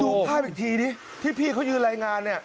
ดูภาพอีกทีดิที่พี่เขายืนรายงานเนี่ย